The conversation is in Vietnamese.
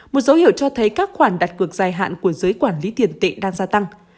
một dấu hiệu cho thấy các khoản đặt cược dài hạn của giới quản lý tiền tệ đang gia tăng